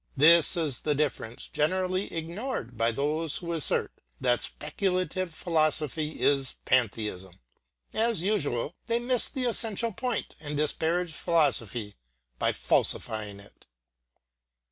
This is the difference generally ignored by those who assert that speculative philosophy is pantheism. As usual, they miss the essential point and disparage philosophy by falsifying it.